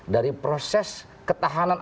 dari proses ketahanan